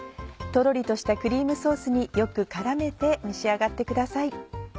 とろりとしたクリームソースによく絡めて召し上がってください。